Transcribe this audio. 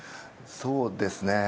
そうですね。